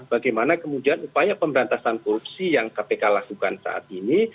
bagaimana kemudian upaya pemberantasan korupsi yang kpk lakukan saat ini